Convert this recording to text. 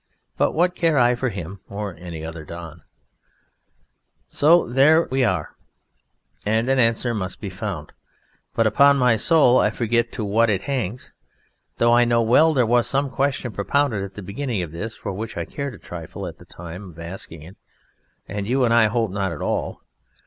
But what care I for him or any other Don? So there we are and an answer must be found, but upon my soul I forget to what it hangs, though I know well there was some question propounded at the beginning of this for which I cared a trifle at the time of asking it and you I hope not at all.